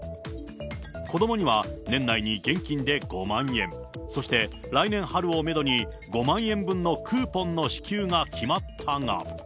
子どもには年内に現金で５万円、そして来年春をメドに、５万円分のクーポンの支給が決まったが。